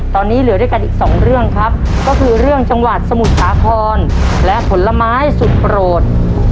ตอนนี้เหลือด้วยกันอีกสองเรื่องครับก็คือเรื่องจังหวัดสมุทรสาครและผลไม้สุดโปรด